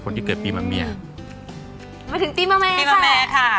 คนที่เกิดปีมาเมียมาถึงปีมาแม่ค่ะปีมาแม่ค่ะ